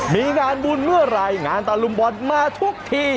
มีงานบุญเมื่อไหร่งานตะลุมบอลมาทุกที